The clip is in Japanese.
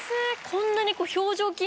こんなに。